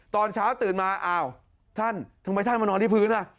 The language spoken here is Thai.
ตอนเช้าตื่นมาอ้าวท่านทำไมท่านมานอนที่พื้นอ่ะ